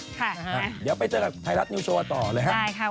เดี๋ยวไปเจอกับไทยรัฐนิวโชว์ต่อเลยครับ